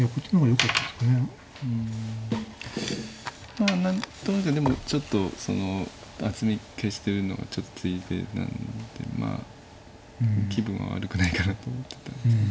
まあ何となくでもちょっと厚み消してるのがちょっと手入れなんで気分は悪くないかなと思ってたんですけど。